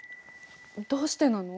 どうしてなの？